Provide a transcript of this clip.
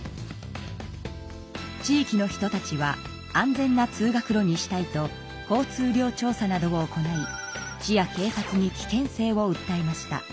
地域の人たちは安全な通学路にしたいと交通量調査などを行い市やけい察に危険性をうったえました。